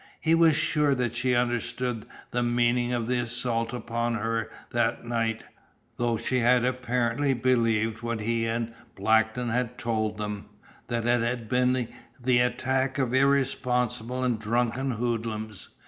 He was sure that she understood the meaning of the assault upon her that night, though she had apparently believed what he and Blackton had told them that it had been the attack of irresponsible and drunken hoodlums.